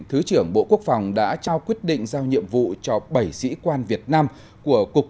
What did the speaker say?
thứ trưởng bộ quốc phòng đã trao quyết định giao nhiệm vụ cho bảy sĩ quan việt nam của cục